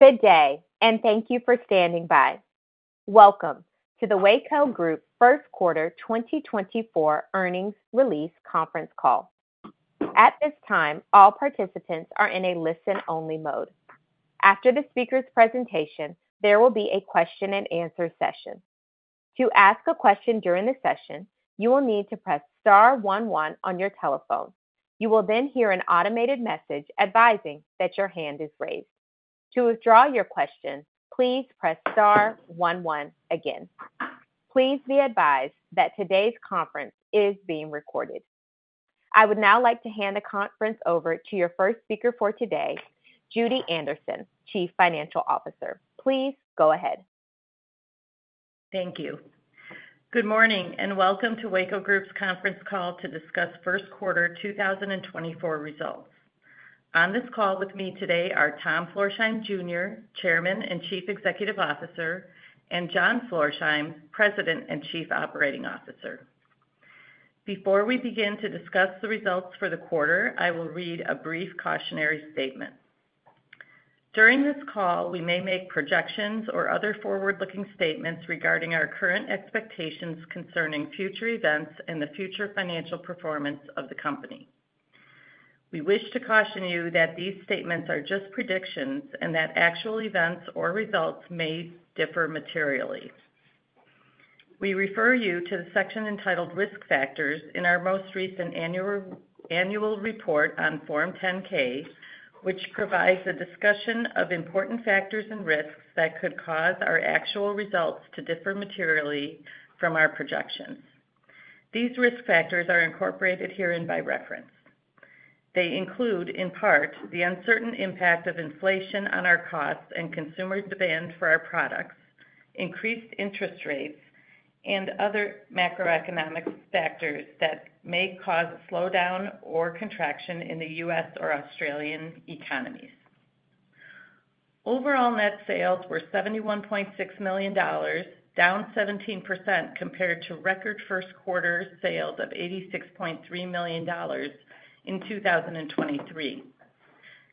Good day, and thank you for standing by. Welcome to the Weyco Group First Quarter 2024 Earnings Release Conference Call. At this time, all participants are in a listen-only mode. After the speaker's presentation, there will be a question-and-answer session. To ask a question during the session, you will need to press star 11 on your telephone. You will then hear an automated message advising that your hand is raised. To withdraw your question, please press star 11 again. Please be advised that today's conference is being recorded. I would now like to hand the conference over to your first speaker for today, Judy Anderson, Chief Financial Officer. Please go ahead. Thank you. Good morning and welcome to Weyco Group's conference call to discuss First Quarter 2024 results. On this call with me today are Tom Florsheim, Jr., Chairman and Chief Executive Officer, and John Florsheim, President and Chief Operating Officer. Before we begin to discuss the results for the quarter, I will read a brief cautionary statement. During this call, we may make projections or other forward-looking statements regarding our current expectations concerning future events and the future financial performance of the company. We wish to caution you that these statements are just predictions and that actual events or results may differ materially. We refer you to the section entitled Risk Factors in our most recent annual report on Form 10-K, which provides a discussion of important factors and risks that could cause our actual results to differ materially from our projections. These risk factors are incorporated herein by reference. They include, in part, the uncertain impact of inflation on our costs and consumer demand for our products, increased interest rates, and other macroeconomic factors that may cause a slowdown or contraction in the U.S. or Australian economies. Overall net sales were $71.6 million, down 17% compared to record first quarter sales of $86.3 million in 2023.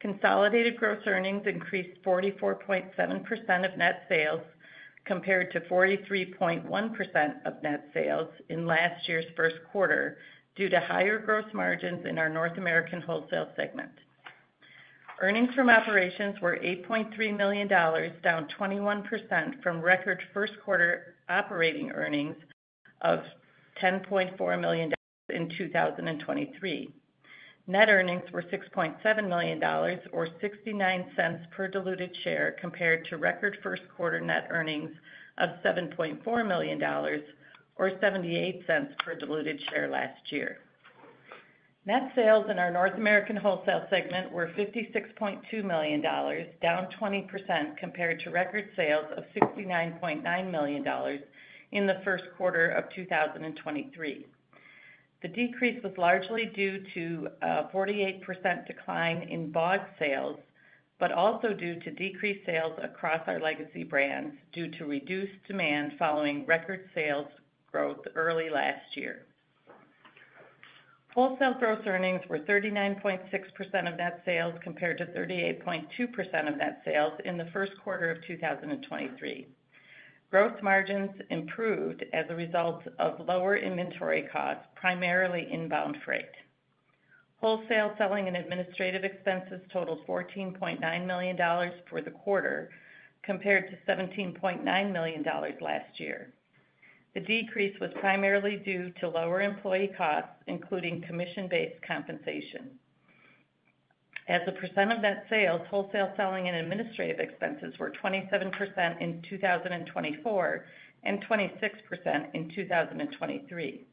Consolidated gross earnings increased 44.7% of net sales compared to 43.1% of net sales in last year's first quarter due to higher gross margins in our North American wholesale segment. Earnings from operations were $8.3 million, down 21% from record first quarter operating earnings of $10.4 million in 2023. Net earnings were $6.7 million or 69 cents per diluted share compared to record first quarter net earnings of $7.4 million or 78 cents per diluted share last year. Net sales in our North American wholesale segment were $56.2 million, down 20% compared to record sales of $69.9 million in the first quarter of 2023. The decrease was largely due to a 48% decline in Bogs sales, but also due to decreased sales across our legacy brands due to reduced demand following record sales growth early last year. Wholesale gross earnings were 39.6% of net sales compared to 38.2% of net sales in the first quarter of 2023. Gross margins improved as a result of lower inventory costs, primarily inbound freight. Wholesale selling and administrative expenses totaled $14.9 million for the quarter compared to $17.9 million last year. The decrease was primarily due to lower employee costs, including commission-based compensation. As a percent of net sales, wholesale selling and administrative expenses were 27% in 2024 and 26% in 2023.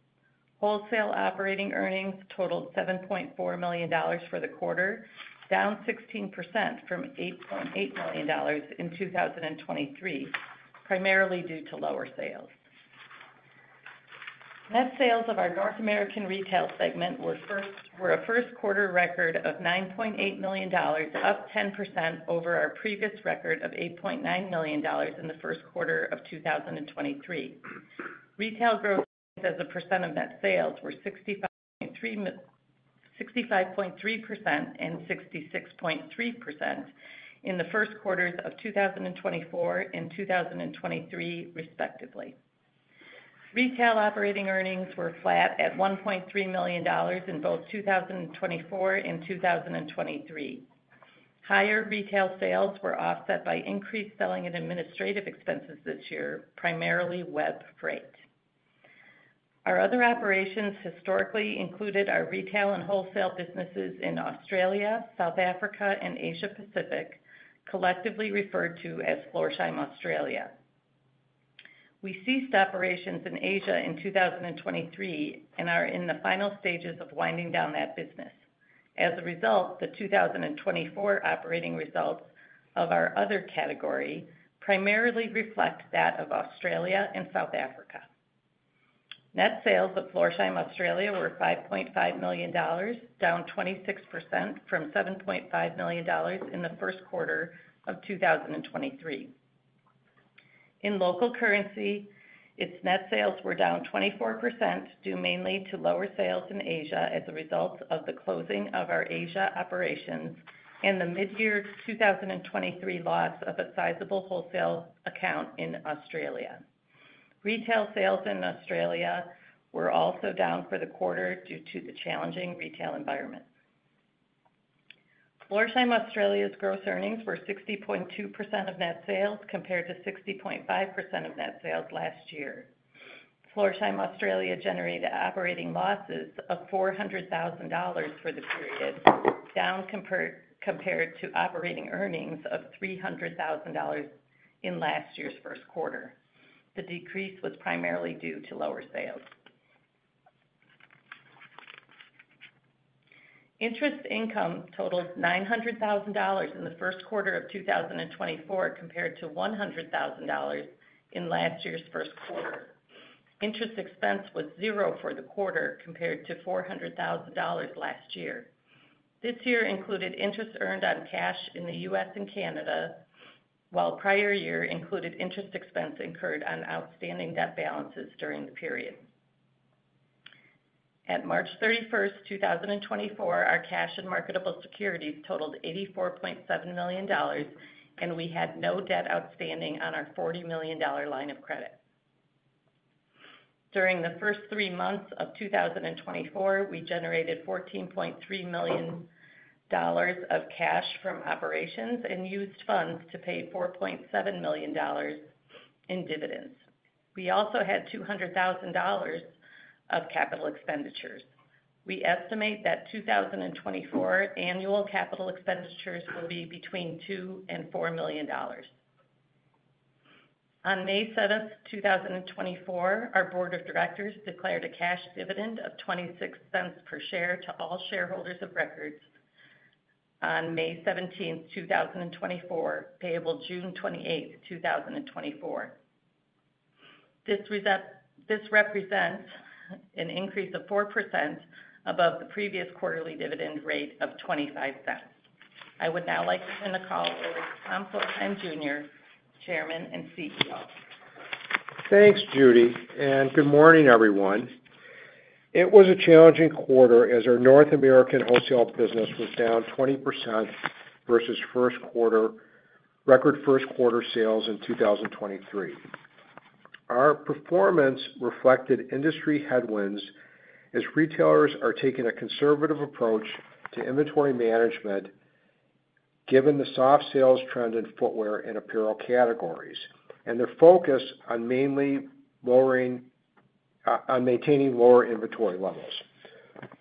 Wholesale operating earnings totaled $7.4 million for the quarter, down 16% from $8.8 million in 2023, primarily due to lower sales. Net sales of our North American retail segment were a first quarter record of $9.8 million, up 10% over our previous record of $8.9 million in the first quarter of 2023. Retail gross earnings as a percent of net sales were 65.3% and 66.3% in the first quarters of 2024 and 2023, respectively. Retail operating earnings were flat at $1.3 million in both 2024 and 2023. Higher retail sales were offset by increased selling and administrative expenses this year, primarily web freight. Our other operations historically included our retail and wholesale businesses in Australia, South Africa, and Asia-Pacific, collectively referred to as Florsheim Australia. We ceased operations in Asia in 2023 and are in the final stages of winding down that business. As a result, the 2024 operating results of our other category primarily reflect that of Australia and South Africa. Net sales of Florsheim Australia were $5.5 million, down 26% from $7.5 million in the first quarter of 2023. In local currency, its net sales were down 24% due mainly to lower sales in Asia as a result of the closing of our Asia operations and the mid-year 2023 loss of a sizable wholesale account in Australia. Retail sales in Australia were also down for the quarter due to the challenging retail environment. Florsheim Australia's gross earnings were 60.2% of net sales compared to 60.5% of net sales last year. Florsheim Australia generated operating losses of $400,000 for the period, down compared to operating earnings of $300,000 in last year's first quarter. The decrease was primarily due to lower sales. Interest income totaled $900,000 in the first quarter of 2024 compared to $100,000 in last year's first quarter. Interest expense was zero for the quarter compared to $400,000 last year. This year included interest earned on cash in the U.S. and Canada, while prior year included interest expense incurred on outstanding debt balances during the period. At March 31st, 2024, our cash and marketable securities totaled $84.7 million, and we had no debt outstanding on our $40 million line of credit. During the first three months of 2024, we generated $14.3 million of cash from operations and used funds to pay $4.7 million in dividends. We also had $200,000 of capital expenditures. We estimate that 2024 annual capital expenditures will be between $2-$4 million. On May 7th, 2024, our board of directors declared a cash dividend of $0.26 per share to all shareholders of record on May 17th, 2024, payable June 28th, 2024. This represents an increase of 4% above the previous quarterly dividend rate of $0.25. I would now like to turn the call over to Tom Florsheim, Jr., Chairman and CEO. Thanks, Judy, and good morning, everyone. It was a challenging quarter as our North American wholesale business was down 20% versus record first quarter sales in 2023. Our performance reflected industry headwinds as retailers are taking a conservative approach to inventory management given the soft sales trend in footwear and apparel categories, and their focus on mainly maintaining lower inventory levels.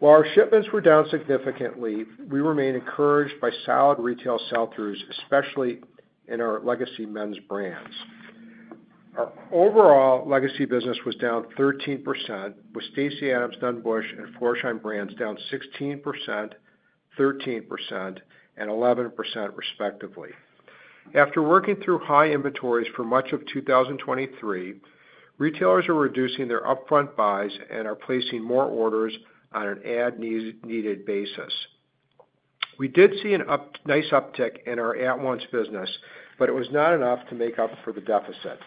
While our shipments were down significantly, we remain encouraged by solid retail sell-throughs, especially in our legacy men's brands. Our overall legacy business was down 13%, with Stacy Adams, Nunn Bush, and Florsheim brands down 16%, 13%, and 11%, respectively. After working through high inventories for much of 2023, retailers are reducing their upfront buys and are placing more orders on an as-needed basis. We did see a nice uptick in our at-once business, but it was not enough to make up for the deficit.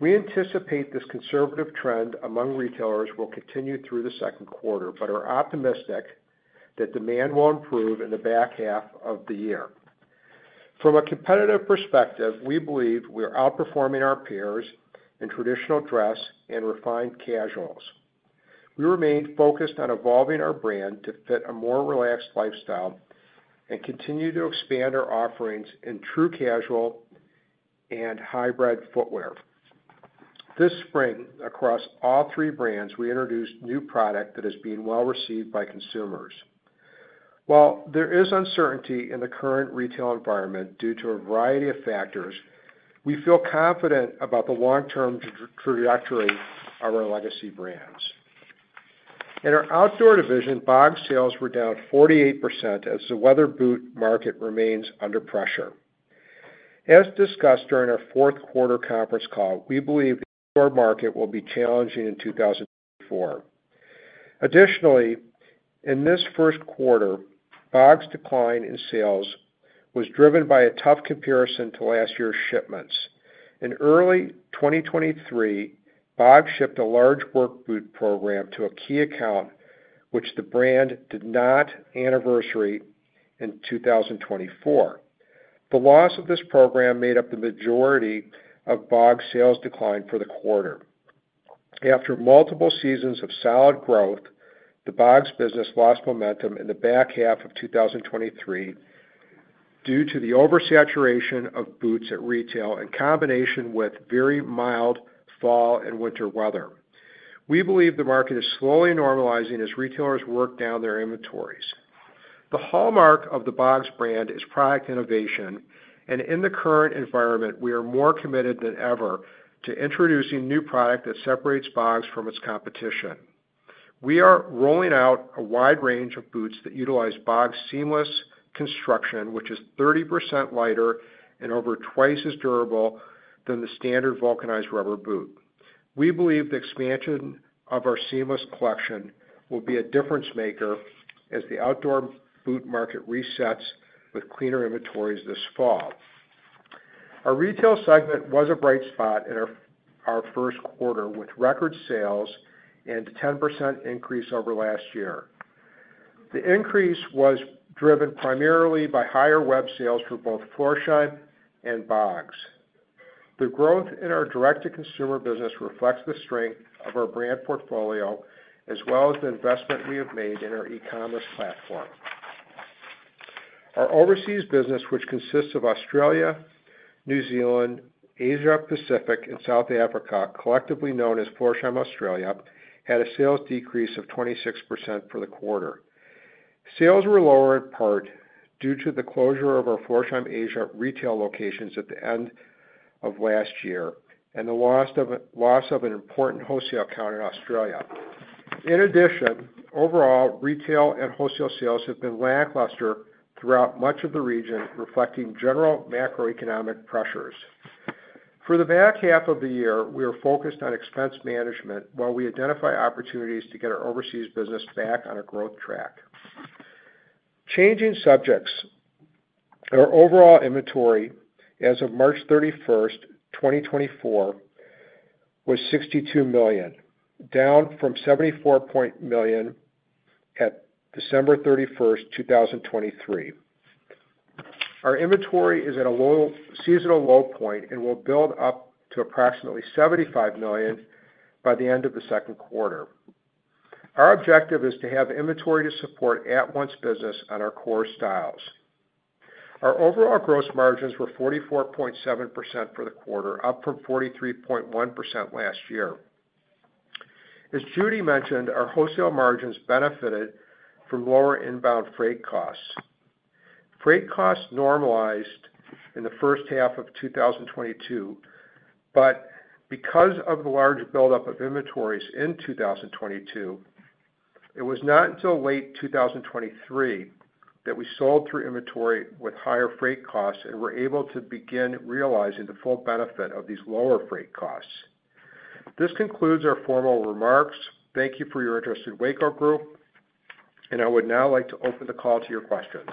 We anticipate this conservative trend among retailers will continue through the second quarter, but are optimistic that demand will improve in the back half of the year. From a competitive perspective, we believe we are outperforming our peers in traditional dress and refined casuals. We remain focused on evolving our brand to fit a more relaxed lifestyle and continue to expand our offerings in true casual and hybrid footwear. This spring, across all three brands, we introduced new product that is being well received by consumers. While there is uncertainty in the current retail environment due to a variety of factors, we feel confident about the long-term trajectory of our legacy brands. In our outdoor division, Bogs sales were down 48% as the weather boot market remains under pressure. As discussed during our fourth quarter conference call, we believe the outdoor market will be challenging in 2024. Additionally, in this first quarter, Bogs' decline in sales was driven by a tough comparison to last year's shipments. In early 2023, Bogs shipped a large work boot program to a key account, which the brand did not anniversary in 2024. The loss of this program made up the majority of Bogs sales decline for the quarter. After multiple seasons of solid growth, the Bogs' business lost momentum in the back half of 2023 due to the oversaturation of boots at retail in combination with very mild fall and winter weather. We believe the market is slowly normalizing as retailers work down their inventories. The hallmark of the Bogs' brand is product innovation, and in the current environment, we are more committed than ever to introducing new product that separates Bogs from its competition. We are rolling out a wide range of boots that utilize Bogs' seamless construction, which is 30% lighter and over twice as durable than the standard vulcanized rubber boot. We believe the expansion of our seamless collection will be a difference maker as the outdoor boot market resets with cleaner inventories this fall. Our retail segment was a bright spot in our first quarter, with record sales and a 10% increase over last year. The increase was driven primarily by higher web sales for both Florsheim and Bogs. The growth in our direct-to-consumer business reflects the strength of our brand portfolio as well as the investment we have made in our e-commerce platform. Our overseas business, which consists of Australia, New Zealand, Asia-Pacific, and South Africa, collectively known as Florsheim Australia, had a sales decrease of 26% for the quarter. Sales were lower in part due to the closure of our Florsheim Asia retail locations at the end of last year and the loss of an important wholesale account in Australia. In addition, overall, retail and wholesale sales have been lackluster throughout much of the region, reflecting general macroeconomic pressures. For the back half of the year, we are focused on expense management while we identify opportunities to get our overseas business back on a growth track. Changing subjects, our overall inventory as of March 31st, 2024, was $62 million, down from $74.0 million at December 31st, 2023. Our inventory is at a seasonal low point and will build up to approximately $75 million by the end of the second quarter. Our objective is to have inventory to support at-once business on our core styles. Our overall gross margins were 44.7% for the quarter, up from 43.1% last year. As Judy mentioned, our wholesale margins benefited from lower inbound freight costs. Freight costs normalized in the first half of 2022, but because of the large buildup of inventories in 2022, it was not until late 2023 that we sold through inventory with higher freight costs and were able to begin realizing the full benefit of these lower freight costs. This concludes our formal remarks. Thank you for your interest in Weyco Group, and I would now like to open the call to your questions.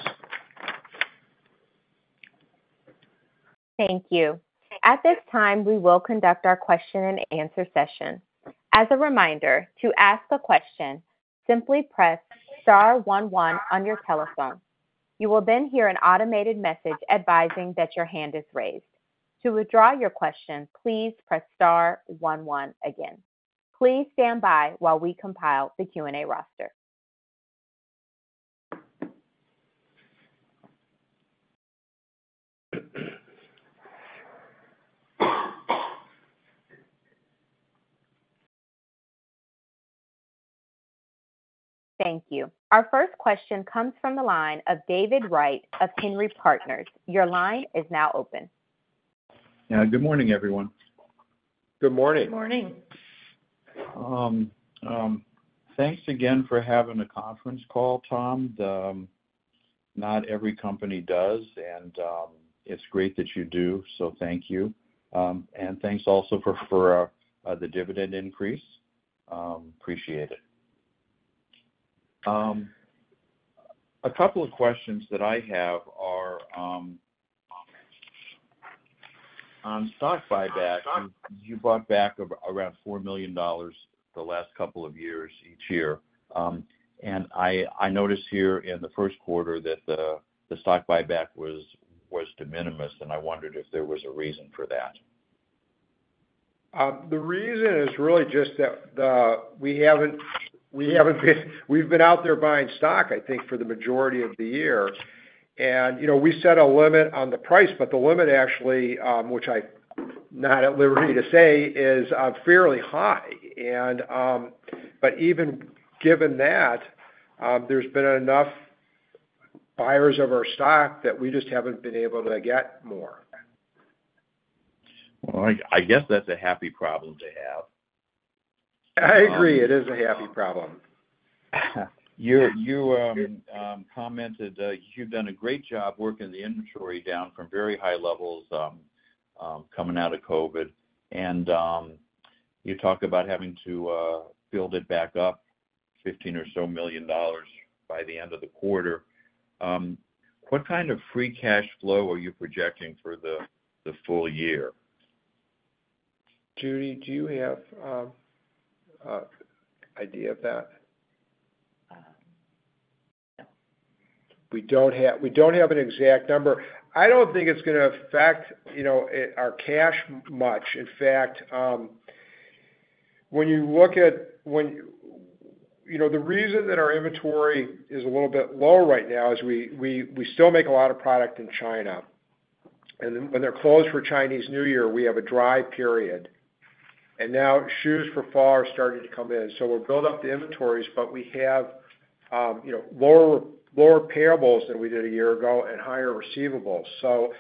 Thank you. At this time, we will conduct our question-and-answer session. As a reminder, to ask a question, simply press star 11 on your telephone. You will then hear an automated message advising that your hand is raised. To withdraw your question, please press star 11 again. Please stand by while we compile the Q&A roster. Thank you. Our first question comes from the line of David Wright of Henry Investment Trust. Your line is now open. Good morning, everyone. Good morning. Good morning. Thanks again for having the conference call, Tom. Not every company does, and it's great that you do, so thank you. And thanks also for the dividend increase. Appreciate it. A couple of questions that I have are on stock buyback. You bought back around $4 million the last couple of years, each year. And I noticed here in the first quarter that the stock buyback was de minimis, and I wondered if there was a reason for that. The reason is really just that we've been out there buying stock, I think, for the majority of the year. And we set a limit on the price, but the limit actually, which I'm not at liberty to say, is fairly high. But even given that, there's been enough buyers of our stock that we just haven't been able to get more. Well, I guess that's a happy problem to have. I agree. It is a happy problem. You commented you've done a great job working the inventory down from very high levels coming out of COVID, and you talk about having to build it back up, $15 or so million by the end of the quarter. What kind of free cash flow are you projecting for the full year? Judy, do you have an idea of that? We don't have an exact number. I don't think it's going to affect our cash much. In fact, when you look at the reason that our inventory is a little bit low right now is we still make a lot of product in China. And when they're closed for Chinese New Year, we have a dry period. And now shoes for fall are starting to come in, so we'll build up the inventories, but we have lower payables than we did a year ago and higher receivables. So,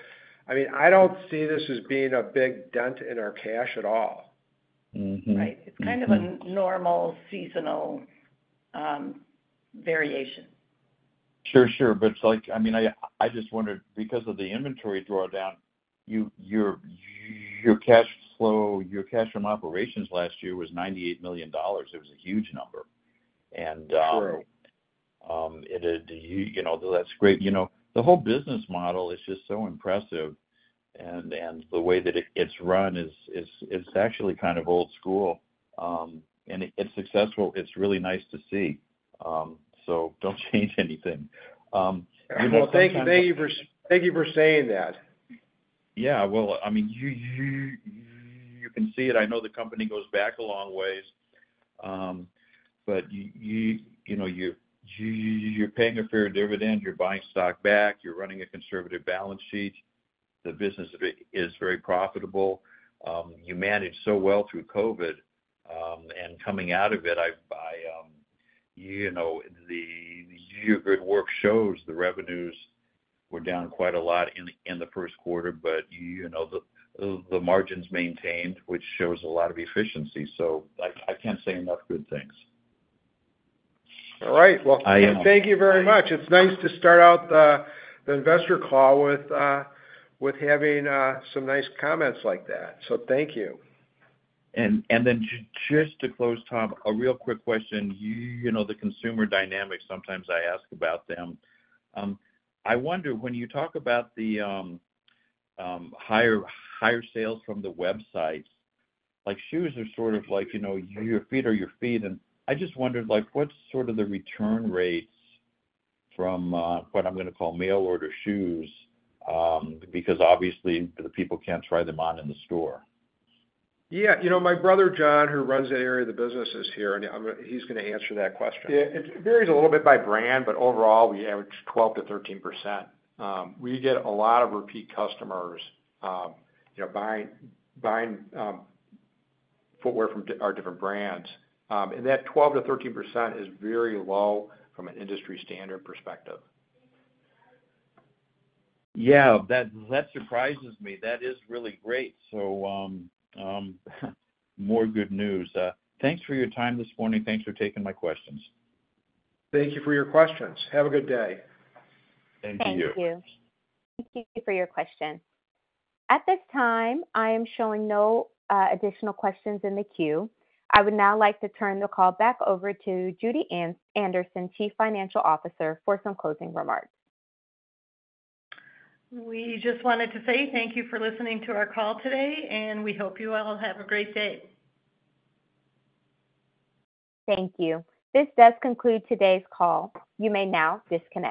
I mean, I don't see this as being a big dent in our cash at all. Right. It's kind of a normal seasonal variation. Sure, sure. But, I mean, I just wondered, because of the inventory drawdown, your cash from operations last year was $98 million. It was a huge number. And that's great. The whole business model is just so impressive, and the way that it's run is actually kind of old school. And it's successful. It's really nice to see. So don't change anything. Well, thank you for saying that. Yeah. Well, I mean, you can see it. I know the company goes back a long ways, but you're paying a fair dividend. You're buying stock back. You're running a conservative balance sheet. The business is very profitable. You managed so well through COVID, and coming out of it, the year, good work shows. The revenues were down quite a lot in the first quarter, but the margins maintained, which shows a lot of efficiency. So I can't say enough good things. All right. Well, thank you very much. It's nice to start out the investor call with having some nice comments like that. So thank you. And then just to close, Tom, a real quick question. The consumer dynamics, sometimes I ask about them. I wonder, when you talk about the higher sales from the websites, shoes are sort of like your feet are your feet. And I just wondered, what's sort of the return rates from what I'm going to call mail order shoes? Because, obviously, the people can't try them on in the store. Yeah. My brother, John, who runs that area of the business is here, and he's going to answer that question. It varies a little bit by brand, but overall, we average 12%-13%. We get a lot of repeat customers buying footwear from our different brands. And that 12%-13% is very low from an industry standard perspective. Yeah. That surprises me. That is really great. So more good news. Thanks for your time this morning. Thanks for taking my questions. Thank you for your questions. Have a good day. Thank you. Thank you. Thank you for your question. At this time, I am showing no additional questions in the queue. I would now like to turn the call back over to Judy Anderson, Chief Financial Officer, for some closing remarks. We just wanted to say thank you for listening to our call today, and we hope you all have a great day. Thank you. This does conclude today's call. You may now disconnect.